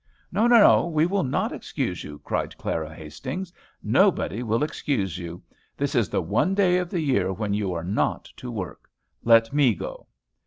"No, no, we will not excuse you," cried Clara Hastings. "Nobody will excuse you. This is the one day of the year when you are not to work. Let me go."